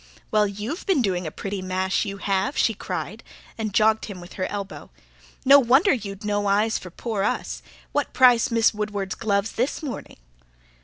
"Well, you've been doing a pretty mash, you have!" she cried, and jogged him with her elbow. "No wonder you'd no eyes for poor us. What price Miss Woodward's gloves this morning!"